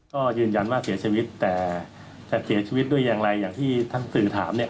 ก็ยืนยันว่าเสียชีวิตแต่จะเสียชีวิตด้วยอย่างไรอย่างที่ท่านสื่อถามเนี่ย